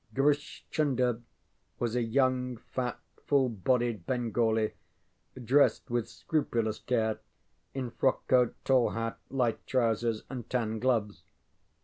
Grish Chunder was a young, fat, full bodied Bengali dressed with scrupulous care in frock coat, tall hat, light trousers and tan gloves.